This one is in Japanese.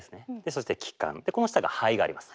そして気管この下が肺があります。